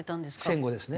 戦後ですね。